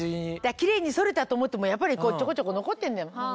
キレイに剃れたと思ってもやっぱりちょこちょこ残ってるんだよね。